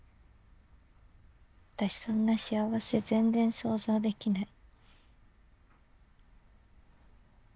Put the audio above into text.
私そんな幸せ全然想像できない。